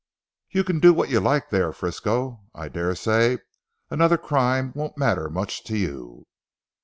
"You can do what you like there, Frisco. I daresay another crime won't matter much to you."